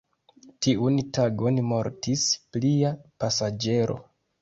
Tiun tagon mortis plia pasaĝero.